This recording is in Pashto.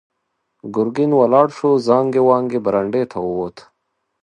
ګرګين ولاړ شو، زانګې وانګې برنډې ته ووت.